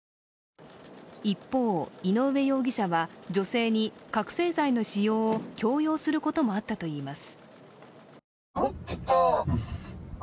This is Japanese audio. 一方、井上容疑者は女性に覚醒剤の使用を強要することもあったといいます。